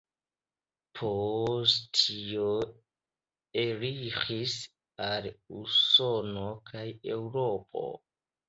Post tio, eliris al Usono kaj Eŭropo.